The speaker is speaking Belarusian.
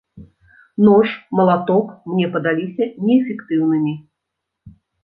Нож, малаток мне падаліся неэфектыўнымі.